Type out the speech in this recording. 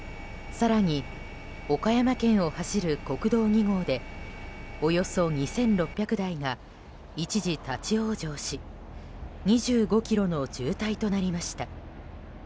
更に、岡山県を走る国道２号でおよそ２６００台が一時立ち往生し２５ｋｍの渋滞となりました。